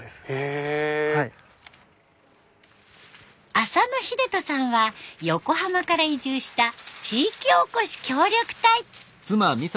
浅野秀人さんは横浜から移住した地域おこし協力隊。